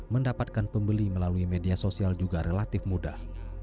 mendapatkan pembeli melalui media sosial juga relatif mudah